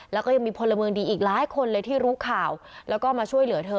แล้วก็ยังมีพลเมืองดีอีกหลายคนเลยที่รู้ข่าวแล้วก็มาช่วยเหลือเธอ